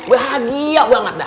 bahagia banget dah